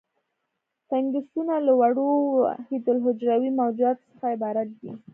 فنګسونه له وړو وحیدالحجروي موجوداتو څخه عبارت دي.